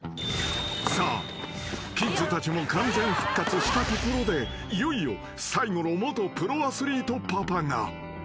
［さあキッズたちも完全復活したところでいよいよ最後の元プロアスリートパパが］